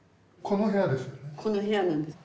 この部屋ですよね。